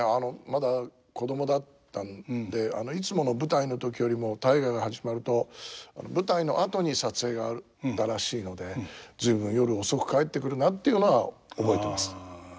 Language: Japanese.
まだ子供だったんでいつもの舞台の時よりも「大河」が始まると舞台の後に撮影があったらしいので「随分夜遅く帰ってくるな」っていうのは覚えてます。